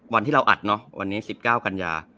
วันที่เราอัดเนาะวันนี้๑๙กันยา